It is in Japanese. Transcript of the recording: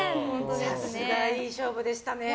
さすがいい勝負でしたね。